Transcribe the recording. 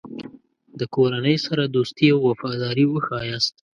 د کورنۍ سره دوستي او وفاداري وښیاست.